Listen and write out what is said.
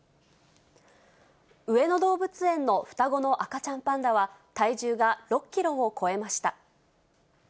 上野動物園の双子の赤ちゃんパンダは、体重が６キロを超えました。